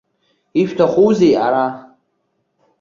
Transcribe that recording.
Ишәҭахузеи ара?!